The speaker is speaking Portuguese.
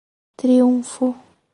Triunfo